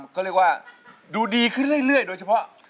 เขาเรียกว่าดูดีขึ้นเรื่อยโดยเฉพาะ